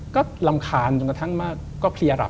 ก็ลำคาญจนกระทั่งมาก